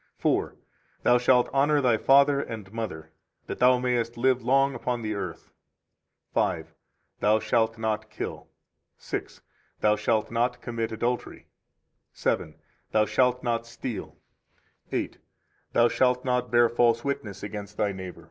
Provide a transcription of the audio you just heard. ] 4 4. Thou shalt honor thy father and mother [that thou mayest live long upon the earth]. 5 5. Thou shalt not kill. 6 6. Thou shalt not commit adultery. 7 7. Thou shalt not steal. 8 8. Thou shalt not bear false witness against thy neighbor.